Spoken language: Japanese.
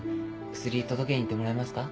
薬届けに行ってもらえますか？